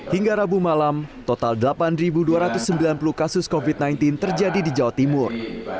hingga rabu malam total delapan dua ratus sembilan puluh kasus covid sembilan belas terjadi di jawa timur